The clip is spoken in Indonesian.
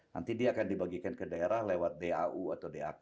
nanti dia akan dibagikan ke daerah lewat dau atau dak